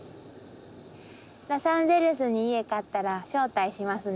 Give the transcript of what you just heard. ロサンゼルスに家買ったら招待しますね。